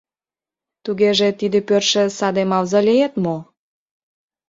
— Тугеже, тиде пӧртшӧ саде мавзолеет мо?